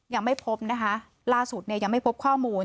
ยังไม่พบนะคะล่าสุดเนี่ยยังไม่พบข้อมูล